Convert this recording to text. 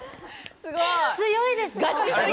強いですね！